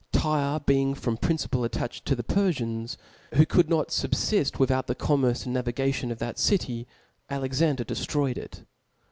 Tyre being from principle attached to the Perfians, who could not fubfift without the commerce and navi gation of that city ; Alexander deftroyed it.